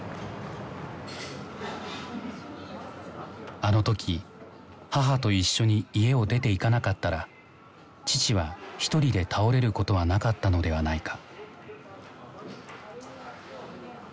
あの時母と一緒に家を出ていかなかったら父はひとりで倒れることはなかったのではないか。